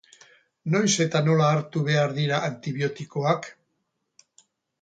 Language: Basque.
Noiz eta nola hartu behar dira antibiotikoak?